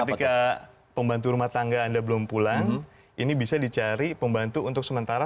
ketika pembantu rumah tangga anda belum pulang ini bisa dicari pembantu untuk sementara